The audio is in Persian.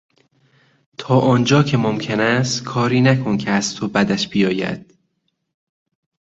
تا آنجا که ممکن است کاری نکن که از تو بدش بیاید.